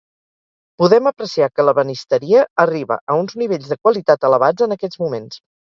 Podem apreciar que l'ebenisteria arriba a uns nivells de qualitat elevats en aquests moments.